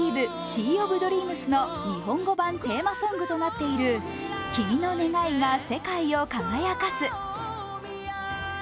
シー・オブ・ドリームス」の日本語版テーマソングとなっている「君の願いが世界を輝かす」。